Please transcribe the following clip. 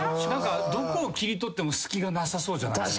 どこを切り取っても隙がなさそうじゃないですか。